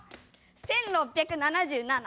１６７７。